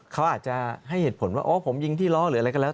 เขาอาจจะให้เหตุผลว่าโอ้ผมยิงที่ล้อหรืออะไรก็แล้ว